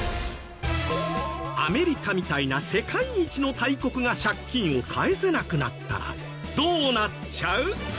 アメリカみたいな世界一の大国が借金を返せなくなったらどうなっちゃう？